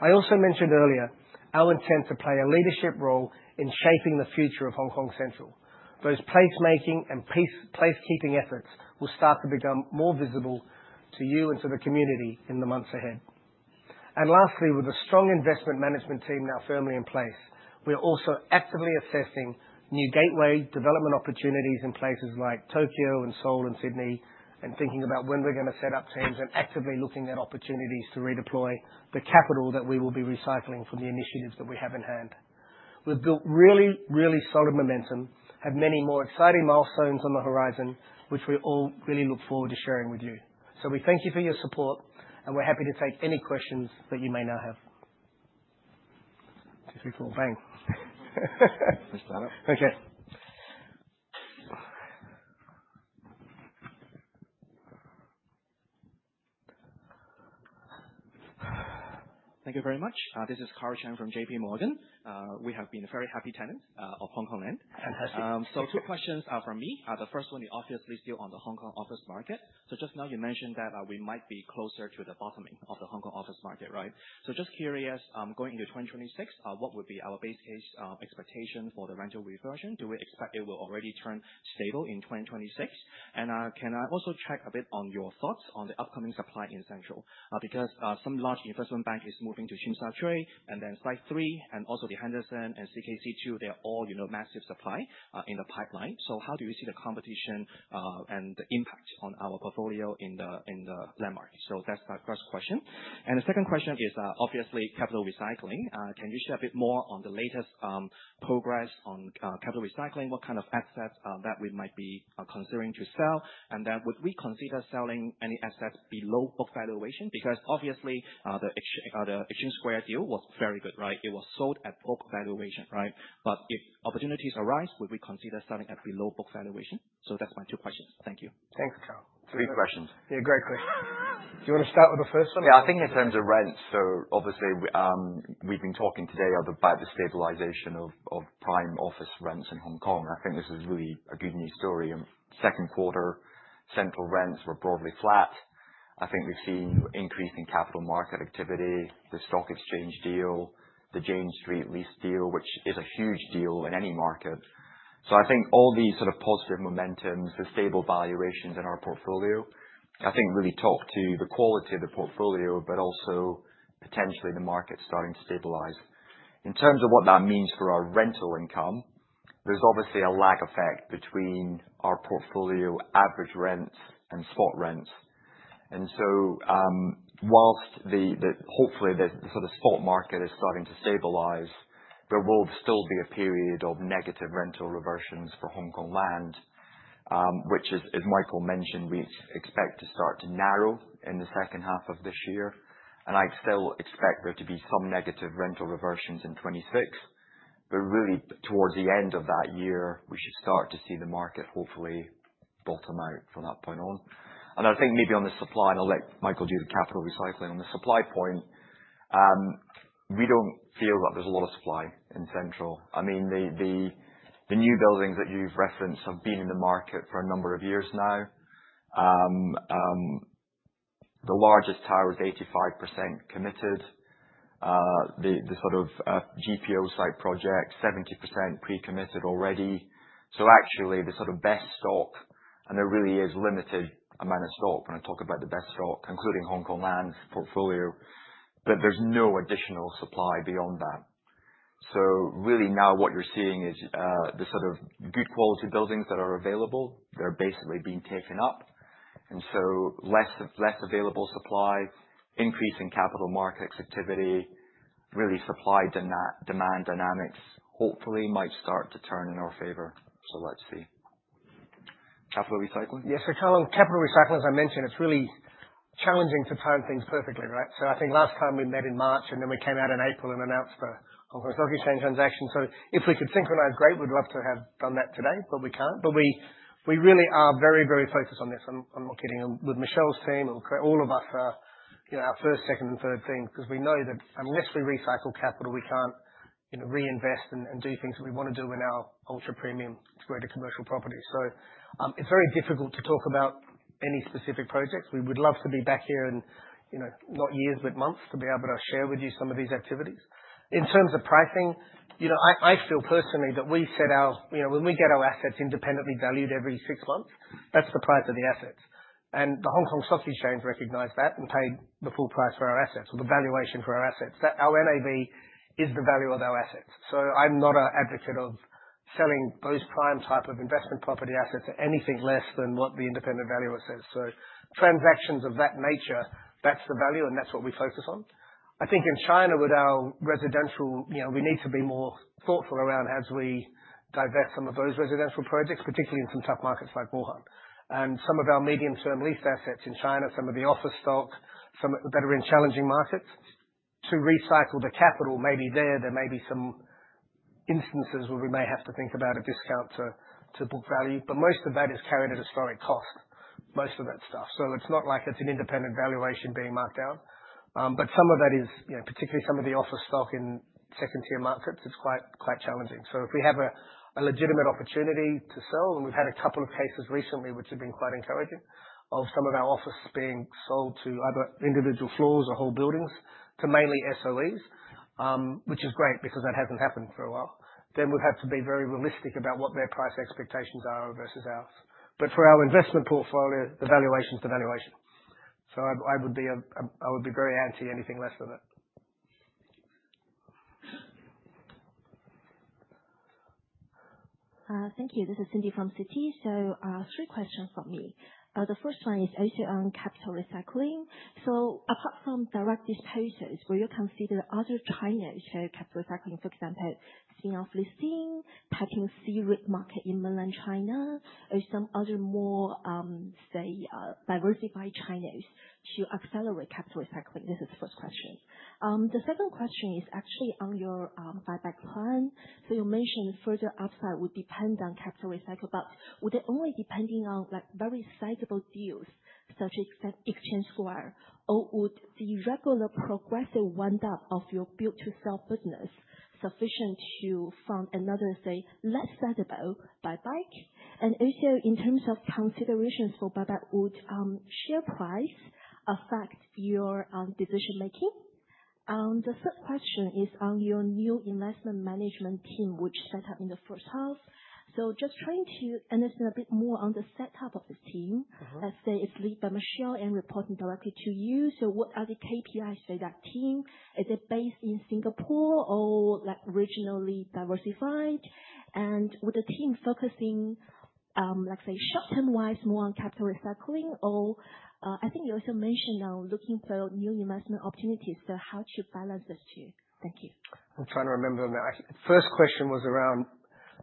A: I also mentioned earlier our intent to play a leadership role in shaping the future of Hong Kong Central. Those placemaking and placekeeping efforts will start to become more visible to you and to the community in the months ahead. Lastly, with a strong investment management team now firmly in place, we are also actively assessing new gateway development opportunities in places like Tokyo and Seoul and Sydney, and thinking about when we're going to set up teams and actively looking at opportunities to redeploy the capital that we will be recycling from the initiatives that we have in hand. We've built really solid momentum, have many more exciting milestones on the horizon, which we all really look forward to sharing with you. We thank you for your support, and we're happy to take any questions that you may now have. Two people bang.
C: Let's start it.
A: Okay.
C: Thank you very much. This is Karl Chan from JPMorgan. We have been a very happy tenant of Hongkong Land.
A: Fantastic.
C: Two questions from me. The first one is obviously still on the Hong Kong office market. Just now you mentioned that we might be closer to the bottoming of the Hong Kong office market, right? Just curious, going into 2026, what would be our base case expectation for the rental reversion? Do we expect it will already turn stable in 2026? Can I also check a bit on your thoughts on the upcoming supply in Central? Some large investment bank is moving to Tsim Sha Tsui and then Site 3 and also the Henderson and CKC II, they are all massive supply in the pipeline. How do you see the competition, and the impact on our portfolio in The Landmark? That's the first question. The second question is obviously capital recycling. Can you share a bit more on the latest progress on capital recycling? What kind of assets that we might be considering to sell? Would we consider selling any assets below book valuation? Obviously, the Exchange Square deal was very good, right? It was sold at book valuation. If opportunities arise, would we consider selling at below book valuation? That's my two questions. Thank you.
A: Thanks, Cusson.
B: Three questions.
A: Yeah, great question. Do you want to start with the first one?
B: Yeah, I think in terms of rents, obviously, we've been talking today about the stabilization of prime office rents in Hong Kong. I think this is really a good news story. In second quarter, Central rents were broadly flat. I think we've seen increase in capital market activity, the Stock Exchange deal, the Jane Street lease deal, which is a huge deal in any market. I think all these sort of positive momentums, the stable valuations in our portfolio, I think really talk to the quality of the portfolio. Also potentially the market starting to stabilize. In terms of what that means for our rental income, there's obviously a lag effect between our portfolio average rent and spot rent. Whilst hopefully the sort of spot market is starting to stabilize, there will still be a period of negative rental reversions for Hongkong Land, which as Michael mentioned, we expect to start to narrow in the second half of this year. I'd still expect there to be some negative rental reversions in 2026. Really towards the end of that year, we should start to see the market hopefully bottom out from that point on. I think maybe on the supply, I'll let Michael do the capital recycling. On the supply point, we don't feel that there's a lot of supply in Central. The new buildings that you've referenced have been in the market for a number of years now. The largest tower is 85% committed. The GPO site project, 70% pre-committed already. Yes. Actually the sort of best stock, there really is limited amount of stock when I talk about the best stock, including Hongkong Land's portfolio. There's no additional supply beyond that. Really now what you're seeing is the sort of good quality buildings that are available, they're basically being taken up. Less available supply, increase in capital markets activity, really supply, demand dynamics, hopefully might start to turn in our favor. Let's see. Capital recycling?
A: Yes. Carl, capital recycling, as I mentioned, it's really challenging to time things perfectly, right? I think last time we met in March, we came out in April and announced the Hong Kong Stock Exchange transaction. If we could synchronize, great. We'd love to have done that today, but we can't. We really are very, very focused on this. I'm not kidding with Michelle's team or all of us are, our first, second and third thing, because we know that unless we recycle capital, we can't reinvest and do things that we want to do in our Ultra-Premium Grade commercial property. It's very difficult to talk about any specific projects. We would love to be back here in not years, but months, to be able to share with you some of these activities. In terms of pricing, I feel personally that when we get our assets independently valued every six months, that's the price of the assets. The Hong Kong Stock Exchange recognized that and paid the full price for our assets or the valuation for our assets. Our NAV is the value of our assets. I'm not an advocate of selling those prime type of investment property assets at anything less than what the independent valuation says. Transactions of that nature, that's the value and that's what we focus on. I think in China with our residential, we need to be more thoughtful around as we divest some of those residential projects, particularly in some tough markets like Wuhan. Some of our medium to lease assets in China, some of the office stock that are in challenging markets to recycle the capital may be there. There may be some instances where we may have to think about a discount to book value, but most of that is carried at historic cost, most of that stuff. It's not like it's an independent valuation being marked down. Some of that is, particularly some of the office stock in second tier markets, is quite challenging. If we have a legitimate opportunity to sell, and we've had a couple of cases recently which have been quite encouraging, of some of our offices being sold to either individual floors or whole buildings, to mainly SOEs, which is great because that hasn't happened for a while, then we'll have to be very realistic about what their price expectations are versus ours. For our investment portfolio, the valuation is the valuation. I would be very antsy anything less than that.
D: Thank you. This is Cindy from Citigroup. Three questions from me. The first one is actually on capital recycling. Apart from direct disposals, will you consider other channels to capital recycling, for example, spin-off listing, tapping C-REIT market in mainland China, or some other more, say, diversified channels to accelerate capital recycling? This is the first question. The second question is actually on your buyback plan. You mentioned further upside would depend on capital recycle, but would it only depending on very sizable deals? Such as Exchange Square, or would the regular progressive wind up of your build-to-sell business sufficient to fund another, say, less visible buy-back? Also in terms of considerations for buyback, would share price affect your decision-making? The third question is on your new investment management team, which set up in the first half. Just trying to understand a bit more on the setup of the team. Let's say it's led by Michelle and reporting directly to you. What are the KPIs for that team? Is it based in Singapore or regionally diversified? With the team focusing, let's say short-term wise, more on capital recycling or, I think you also mentioned looking for new investment opportunities. How to balance the two? Thank you.
A: I'm trying to remember now. First question was around,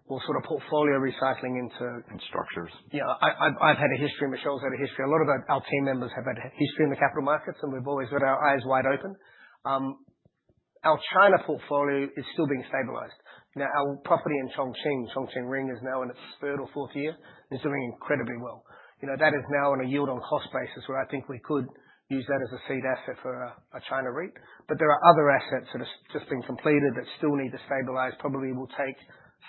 A: well, sort of portfolio recycling into.
B: Structures.
A: Yeah. I've had a history, Michelle's had a history, a lot of our team members have had history in the capital markets. We've always had our eyes wide open. Our China portfolio is still being stabilized. Now, our property in Chongqing Ring, is now in its third or fourth year, is doing incredibly well. That is now on a yield on cost basis where I think we could use that as a seed asset for a China REIT. There are other assets that have just been completed that still need to stabilize. Probably will take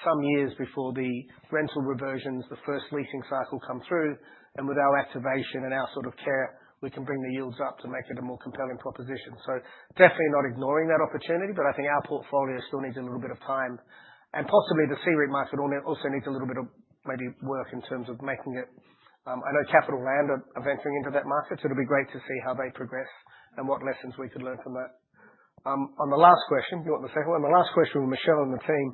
A: some years before the rental reversions, the first leasing cycle come through, and with our activation and our sort of care, we can bring the yields up to make it a more compelling proposition. Definitely not ignoring that opportunity, but I think our portfolio still needs a little bit of time. Possibly the C-REIT market also needs a little bit of maybe work in terms of making it. I know CapitaLand are venturing into that market. It'll be great to see how they progress and what lessons we could learn from that. On the last question, you want the second one? The last question with Michelle and the team,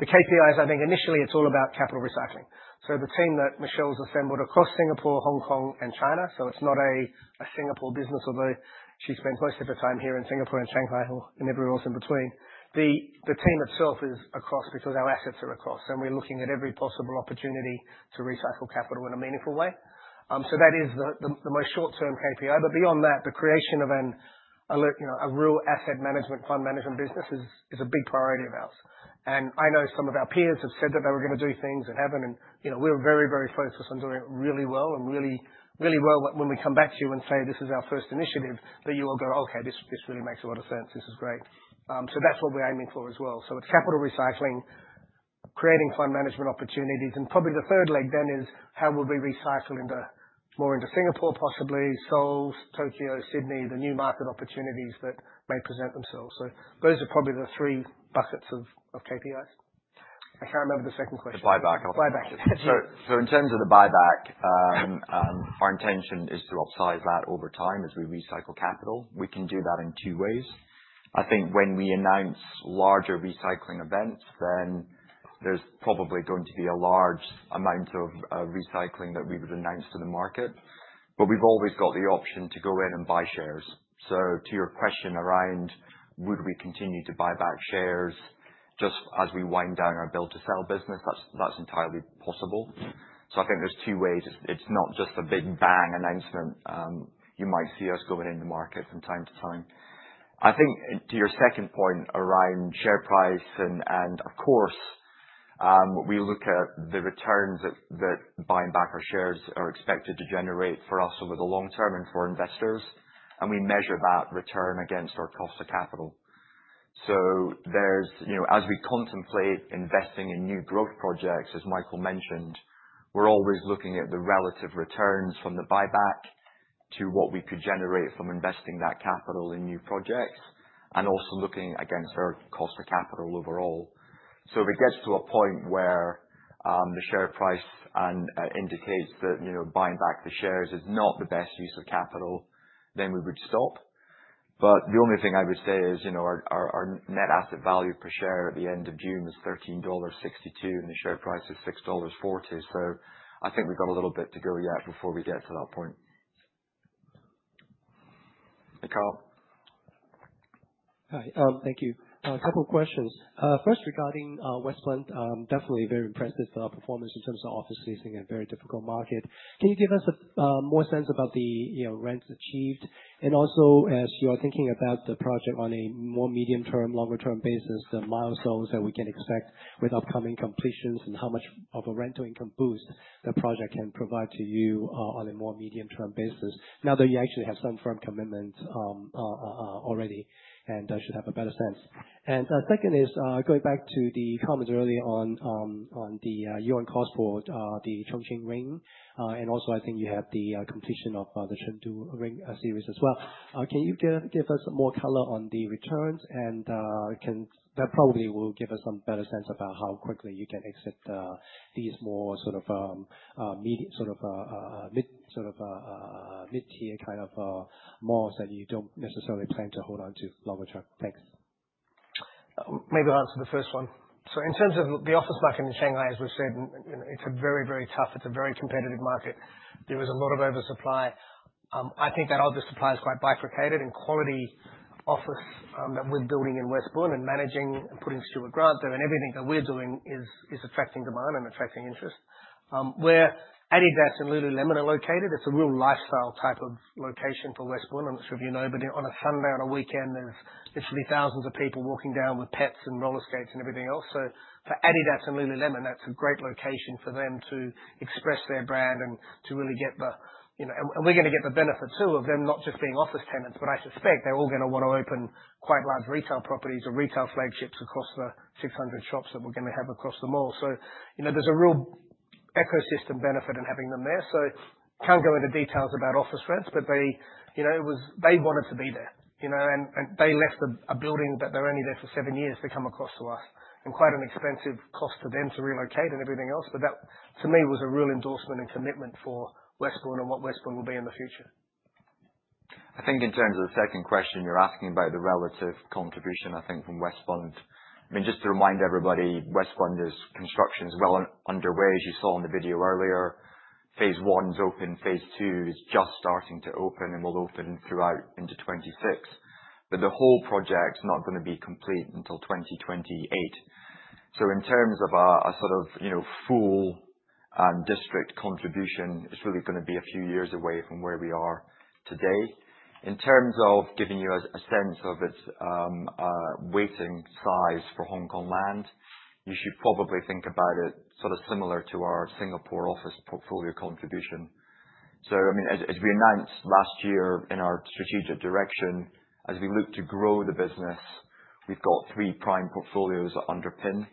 A: the KPIs, I think initially it's all about capital recycling. The team that Michelle's assembled across Singapore, Hong Kong, and China, so it's not a Singapore business, although she spent most of her time here in Singapore and Shanghai and everywhere else in between. The team itself is across because our assets are across, and we're looking at every possible opportunity to recycle capital in a meaningful way. That is the most short-term KPI. Beyond that, the creation of a real asset management, fund management business is a big priority of ours. I know some of our peers have said that they were going to do things that haven't, and we're very, very focused on doing it really well, and really well when we come back to you and say, "This is our first initiative," that you will go, "Okay, this really makes a lot of sense. This is great." That's what we're aiming for as well. It's capital recycling, creating fund management opportunities. Probably the third leg then is how we'll be recycling more into Singapore, possibly Seoul, Tokyo, Sydney, the new market opportunities that may present themselves. Those are probably the three buckets of KPIs. I can't remember the second question.
B: The buyback.
A: Buyback.
B: In terms of the buyback, our intention is to upsize that over time as we recycle capital. We can do that in two ways. When we announce larger recycling events, then there's probably going to be a large amount of recycling that we would announce to the market. We've always got the option to go in and buy shares. To your question around, would we continue to buy back shares just as we wind down our build to sell business, that's entirely possible. I think there's two ways. It's not just a big bang announcement. You might see us going in the market from time to time. To your second point around share price and, of course, we look at the returns that buying back our shares are expected to generate for us over the long term and for investors, and we measure that return against our cost of capital. As we contemplate investing in new growth projects, as Michael mentioned, we're always looking at the relative returns from the buyback to what we could generate from investing that capital in new projects, and also looking against our cost of capital overall. If it gets to a point where the share price indicates that buying back the shares is not the best use of capital, then we would stop. The only thing I would say is, our net asset value per share at the end of June was $13.62, and the share price is $6.40, I think we've got a little bit to go yet before we get to that point. Carl.
C: Hi. Thank you. A couple questions. First, regarding West Bund, definitely very impressive performance in terms of office leasing in a very difficult market. Can you give us more sense about the rents achieved? As you are thinking about the project on a more medium-term, longer-term basis, the milestones that we can expect with upcoming completions and how much of a rental income boost the project can provide to you on a more medium-term basis now that you actually have some firm commitment already and should have a better sense. Second is going back to the comments earlier on the yield on cost for the Chongqing Ring. Also, I think you have the completion of the Chengdu Ring series as well. Can you give us more color on the returns? That probably will give us some better sense about how quickly you can exit these more sort of mid-tier malls that you don't necessarily plan to hold on to longer term. Thanks.
A: Maybe I'll answer the first one. In terms of the office market in Shanghai, as we've said, it's a very, very tough, it's a very competitive market. There is a lot of oversupply. I think that oversupply is quite bifurcated in quality office that we're building in West Bund and managing and putting Stuart Grant through and everything that we're doing is attracting demand and attracting interest. Where adidas and lululemon are located, it's a real lifestyle type of location for West Bund. I'm not sure if you know, but on a Sunday, on a weekend, there's literally thousands of people walking down with pets and roller skates and everything else. For adidas and lululemon, that's a great location for them to express their brand and to really get the benefit too of them not just being office tenants, but I suspect they're all going to want to open quite large retail properties or retail flagships across the 600 shops that we're going to have across the mall. There's a real ecosystem benefit in having them there. Can't go into details about office rents, but they wanted to be there. They left a building that they were only there for seven years to come across to us. Quite an expensive cost to them to relocate and everything else. But that, to me, was a real endorsement and commitment for West Bund and what West Bund will be in the future.
B: I think in terms of the second question, you're asking about the relative contribution, I think, from West Bund. Just to remind everybody, West Bund is constructions well underway, as you saw in the video earlier. Phase 1's open, phase 2 is just starting to open and will open throughout into 2026. The whole project's not going to be complete until 2028. In terms of our full district contribution, it's really going to be a few years away from where we are today. In terms of giving you a sense of its weighting size for Hongkong Land, you should probably think about it sort of similar to our Singapore office portfolio contribution. As we announced last year in our strategic direction, as we look to grow the business, we've got three prime portfolios that underpin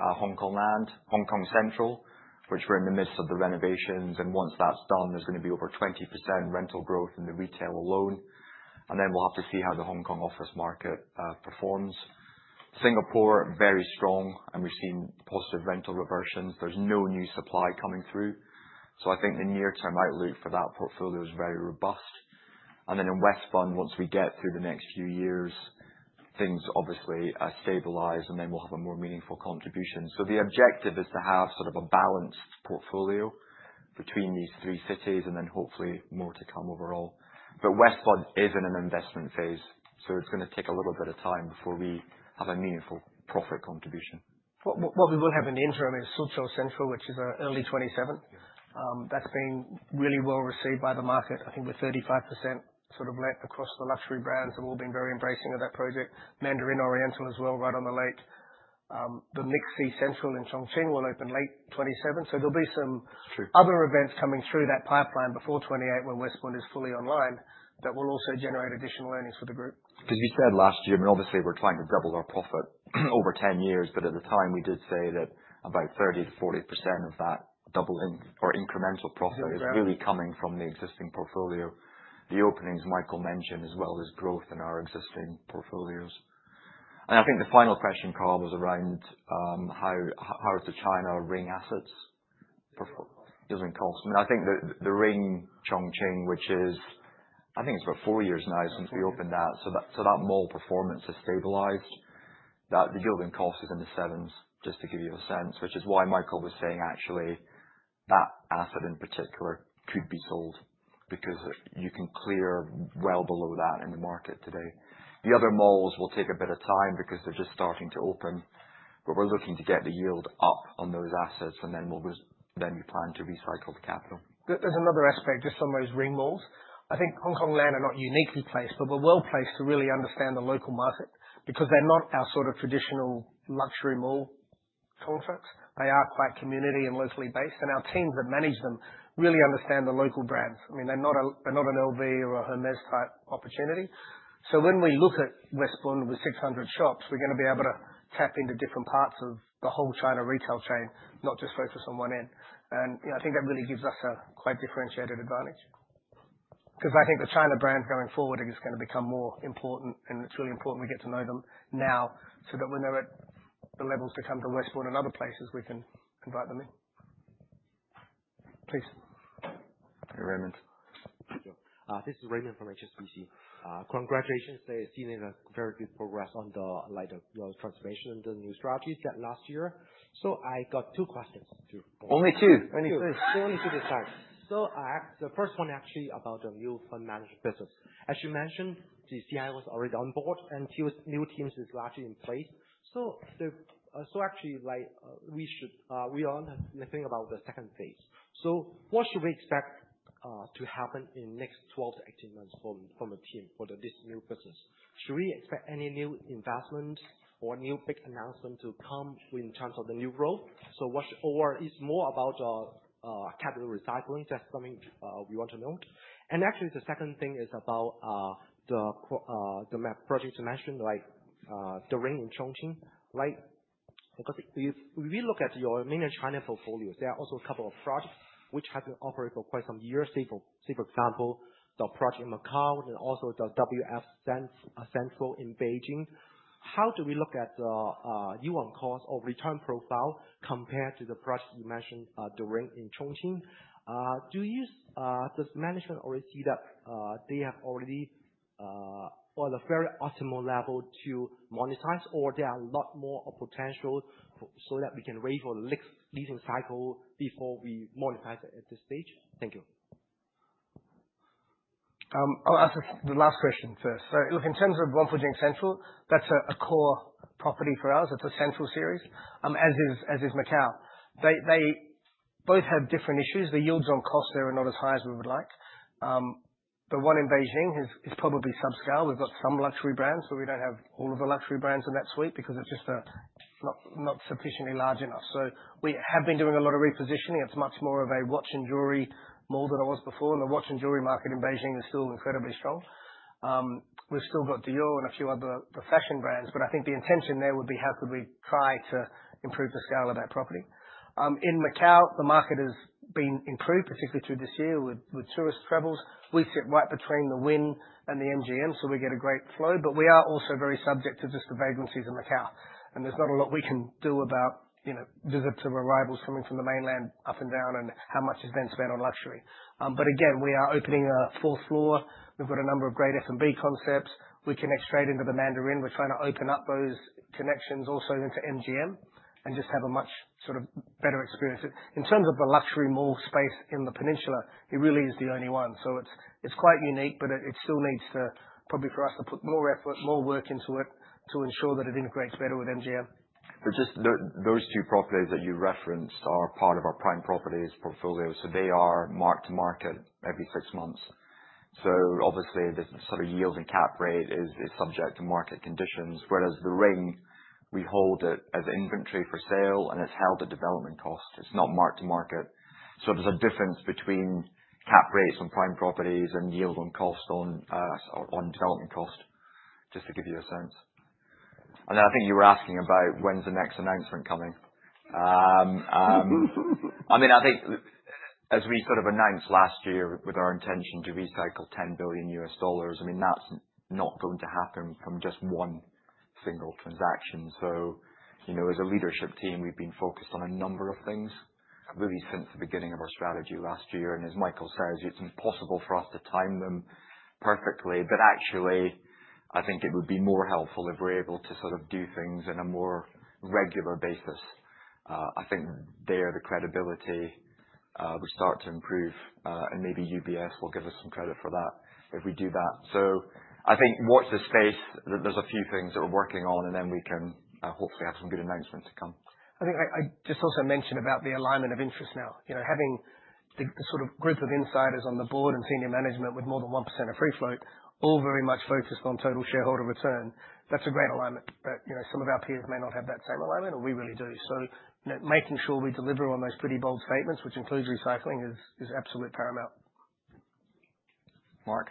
B: our Hongkong Land, Hongkong Central, which we're in the midst of the renovations, and once that's done, there's going to be over 20% rental growth in the retail alone. Then we'll have to see how the Hong Kong office market performs. Singapore, very strong, and we've seen positive rental reversions. There's no new supply coming through. I think the near-term outlook for that portfolio is very robust. Then in West Bund, once we get through the next few years, things obviously are stabilized, and then we'll have a more meaningful contribution. The objective is to have sort of a balanced portfolio between these three cities and then hopefully more to come overall. West Bund is in an investment phase, it's going to take a little bit of time before we have a meaningful profit contribution.
A: What we will have in the interim is Suzhou Central, which is early 2027.
B: Yes.
A: That's been really well-received by the market. I think we're 35% sort of let across the luxury brands have all been very embracing of that project. Mandarin Oriental as well, right on the lake. The MixC Central in Chongqing will open late 2027. There'll be some
B: That's true
A: other events coming through that pipeline before 2028 when West Bund is fully online, that will also generate additional earnings for the group.
B: You said last year, obviously we're trying to double our profit over 10 years, but at the time, we did say that about 30%-40% of that doubling or incremental profit
A: Yeah
B: is really coming from the existing portfolio. The openings Michael Smith mentioned, as well as growth in our existing portfolios. I think the final question, Cusson, was around how is the China ring assets yielding costs. I think the ring in Chongqing, which is about 4 years now since we opened that. That mall performance has stabilized. The yielding cost is in the 7s, just to give you a sense, which is why Michael Smith was saying actually, that asset in particular could be sold because you can clear well below that in the market today. The other malls will take a bit of time because they're just starting to open, but we're looking to get the yield up on those assets, then we plan to recycle the capital.
A: There's another aspect just on those ring malls. Hongkong Land are not uniquely placed, but we're well-placed to really understand the local market because they're not our sort of traditional luxury mall concepts. They are quite community and locally based, our teams that manage them really understand the local brands. They're not an LV or a Hermès type opportunity. When we look at West Bund with 600 shops, we're going to be able to tap into different parts of the whole China retail chain, not just focus on one end. That really gives us a quite differentiated advantage. The China brand going forward is going to become more important, it's really important we get to know them now so that when they're at the levels to come to West Bund and other places, we can invite them in. Please.
B: Hey, Raymond.
E: Thank you. This is Raymond from HSBC. Congratulations. I see you made a very good progress on the light of your transformation and the new strategies set last year. I got 2 questions. 2.
B: Only two? Only two.
A: Only two this time.
E: The first one actually about the new fund management business. As you mentioned, the CIO was already on board and new teams is largely in place. Actually, we are only thinking about the second phase. What should we expect to happen in next 12 to 18 months from the team for this new business? Should we expect any new investment or new big announcement to come in terms of the new role? Or it's more about capital recycling? Just something we want to know. Actually, the second thing is about the project you mentioned, The Ring in Chongqing. If we look at your mainland China portfolios, there are also a couple of projects which have been operating for quite some years. Say, for example, the project in Macau and also the WF Central in Beijing. How do we look at the yield on cost of return profile compared to the project you mentioned, The Ring in Chongqing? Does management already see that they are already on a very optimal level to monetize, or there are a lot more potential so that we can wait for the leasing cycle before we monetize it at this stage? Thank you.
A: I'll answer the last question first. In terms of Wangfujing Central, that's a core property for us. It's a central series, as is Macau. They both have different issues. The yields on cost there are not as high as we would like. The one in Beijing is probably subscale. We've got some luxury brands, but we don't have all of the luxury brands in that suite because it's just not sufficiently large enough. We have been doing a lot of repositioning. It's much more of a watch and jewelry mall than it was before. The watch and jewelry market in Beijing is still incredibly strong. We've still got Dior and a few other fashion brands, I think the intention there would be, how could we try to improve the scale of that property? In Macau, the market has been improved, particularly through this year with tourist travels. We sit right between the Wynn and the MGM, we get a great flow. We are also very subject to just the vacancies in Macau, and there's not a lot we can do about visits or arrivals coming from the mainland up and down, and how much is being spent on luxury. Again, we are opening a fourth floor. We've got a number of great F&B concepts. We connect straight into the Mandarin. We're trying to open up those connections also into MGM and just have a much better experience. In terms of the luxury mall space in the Peninsula, it really is the only one. It's quite unique, it still needs probably for us to put more effort, more work into it to ensure that it integrates better with MGM.
B: Those two properties that you referenced are part of our prime properties portfolio. They are marked to market every six months. Obviously, this sort of yield and cap rate is subject to market conditions. Whereas The Ring, we hold it as inventory for sale and it's held at development cost. It's not marked to market. There's a difference between cap rates on prime properties and yield on development cost, just to give you a sense. Then I think you were asking about when's the next announcement coming. I think as we announced last year with our intention to recycle $10 billion, that's not going to happen from just one single transaction. As a leadership team, we've been focused on a number of things really since the beginning of our strategy last year. As Michael says, it's impossible for us to time them perfectly. Actually, I think it would be more helpful if we're able to do things in a more regular basis. I think there, the credibility would start to improve, and maybe UBS will give us some credit for that if we do that. I think watch this space. There's a few things that we're working on, then we can hopefully have some good announcements to come.
A: I think I just also mentioned about the alignment of interest now. Having the group of insiders on the board and senior management with more than 1% of free float, all very much focused on total shareholder return, that's a great alignment. Some of our peers may not have that same alignment, and we really do. Making sure we deliver on those pretty bold statements, which includes recycling, is absolute paramount.
B: Mark?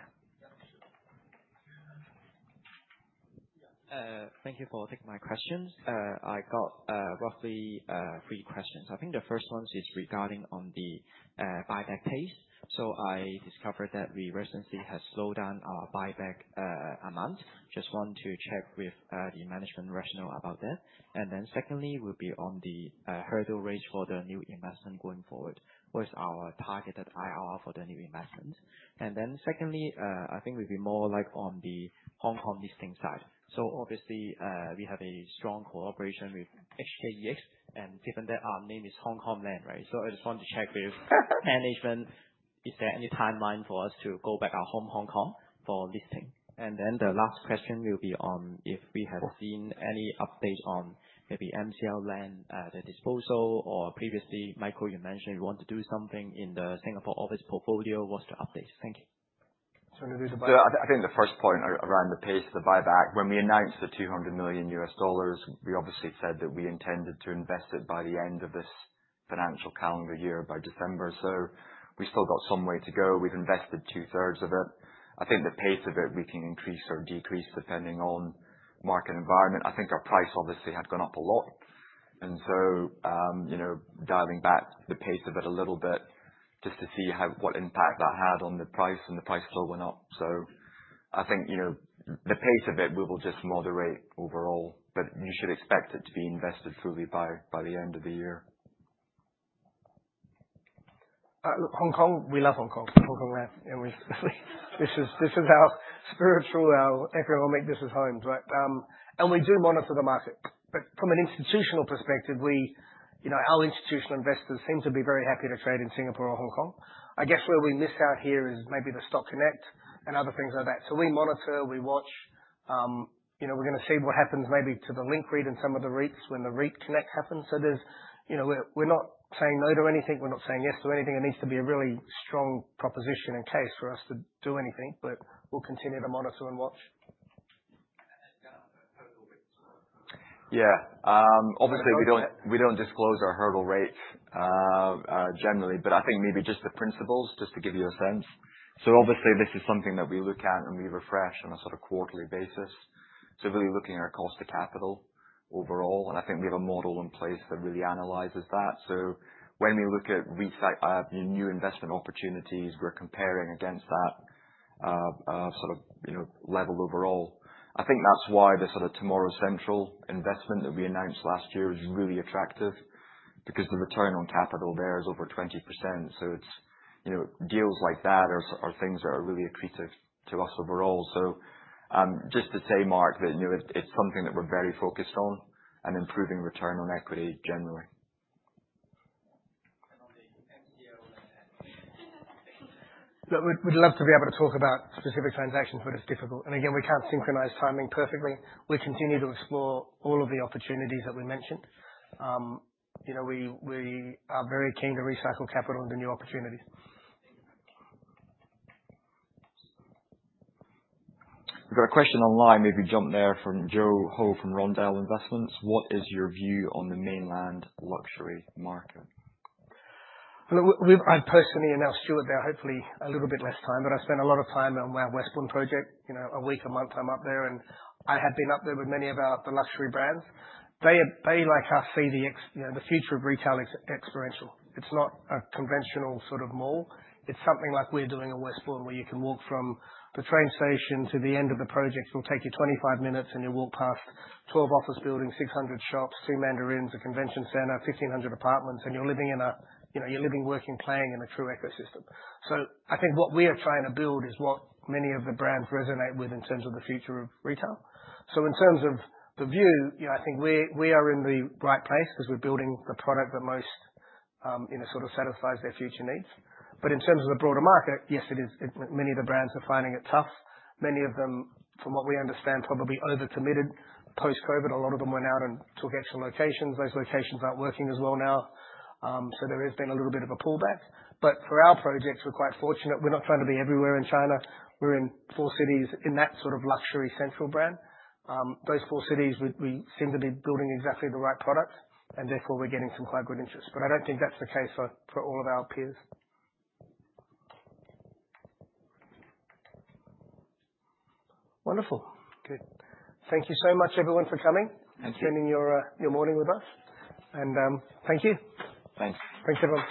F: Thank you for taking my questions. I got roughly three questions. I think the first one is regarding on the buyback pace. I discovered that we recently have slowed down our buyback amount. Just want to check with the management rationale about that. Secondly, will be on the hurdle rates for the new investment going forward. What is our targeted IRR for the new investments? Secondly, I think will be more on the Hong Kong listing side. Obviously, we have a strong cooperation with HKEX, and given that our name is Hongkong Land, right? I just want to check with management, is there any timeline for us to go back home, Hong Kong, for listing? The last question will be on if we have seen any update on maybe MCL Land, the disposal or previously, Michael, you mentioned you want to do something in the Singapore office portfolio. What's the update? Thank you.
A: Do you want to do the buyback?
B: The first point around the pace of the buyback, when we announced the $200 million, we obviously said that we intended to invest it by the end of this financial calendar year, by December. We've still got some way to go. We've invested two-thirds of it. I think the pace of it, we can increase or decrease depending on market environment. Our price obviously had gone up a lot, dialing back the pace of it a little bit just to see what impact that had on the price and the price still went up. I think the pace of it, we will just moderate overall, but you should expect it to be invested fully by the end of the year.
A: Hong Kong, we love Hong Kong. Hongkong Land. This is our spiritual, our economic business homes, right? We do monitor the market. From an institutional perspective, our institutional investors seem to be very happy to trade in Singapore or Hong Kong. I guess where we miss out here is maybe the Stock Connect and other things like that. We monitor, we watch. We're going to see what happens maybe to the Link REIT and some of the REITs when the REIT Connect happens. We're not saying no to anything. We're not saying yes to anything. It needs to be a really strong proposition and case for us to do anything, but we'll continue to monitor and watch.
F: Then on the hurdle rates as well.
B: Obviously, we don't disclose our hurdle rates, generally. I think maybe just the principles, just to give you a sense. Obviously this is something that we look at and we refresh on a sort of quarterly basis. Really looking at our cost to capital overall, I think we have a model in place that really analyzes that. When we look at new investment opportunities, we're comparing against that level overall. I think that's why the Tomorrow's CENTRAL investment that we announced last year was really attractive because the return on capital there is over 20%. Deals like that are things that are really accretive to us overall. Just to say, Mark, that it's something that we're very focused on and improving return on equity generally.
F: On the MCL Land.
A: Look, we'd love to be able to talk about specific transactions, but it's difficult. Again, we can't synchronize timing perfectly. We continue to explore all of the opportunities that we mentioned. We are very keen to recycle capital into new opportunities.
B: We've got a question online, maybe jump there from Joe Ho from Rondell Investments. What is your view on the mainland luxury market?
A: Hello. I personally, now Stuart hopefully a little bit less time, but I spent a lot of time on our West Bund project. A week, a month I'm up there, and I have been up there with many of the luxury brands. They, like us, see the future of retail experiential. It's not a conventional sort of mall. It's something like we're doing at West Bund, where you can walk from the train station to the end of the project. It will take you 25 minutes, and you walk past 12 office buildings, 600 shops, two Mandarins, a convention center, 1,500 apartments, and you're living, working, playing in a true ecosystem. I think what we are trying to build is what many of the brands resonate with in terms of the future of retail. In terms of the view, I think we are in the right place because we're building the product that most satisfies their future needs. In terms of the broader market, yes, many of the brands are finding it tough. Many of them, from what we understand, probably overcommitted post-COVID. A lot of them went out and took extra locations. Those locations aren't working as well now. There has been a little bit of a pullback. For our projects, we're quite fortunate. We're not trying to be everywhere in China. We're in four cities in that sort of luxury central brand. Those four cities, we seem to be building exactly the right product, and therefore we're getting some quite good interest. I don't think that's the case for all of our peers. Wonderful. Good. Thank you so much everyone for coming.
B: Thank you.
A: Spending your morning with us. Thank you.
B: Thanks.
A: Thanks, everyone.